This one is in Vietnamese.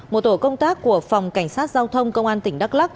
một tổ công tác của phòng cảnh sát giao thông công an tỉnh đắk lắc